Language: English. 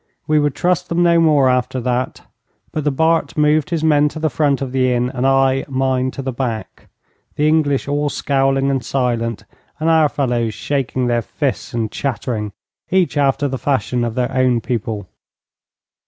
We would trust them no more after that, but the Bart moved his men to the front of the inn, and I mine to the back, the English all scowling and silent, and our fellows shaking their fists and chattering, each after the fashion of their own people.